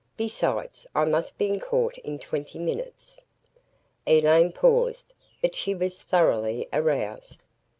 Besides, I must be in court in twenty minutes." Elaine paused, but she was thoroughly aroused.